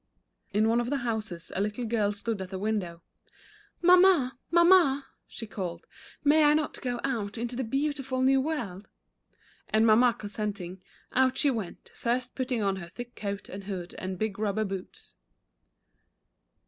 In one of the houses, a little girl stood at the 232 The Lady of Snow. 233 Avindow. "Mamma, Mamma," she called, "may I not go out into the beautiful new world?" and Mamma consenting, out she went, first putting on her thick coat and hood and big rubber boots.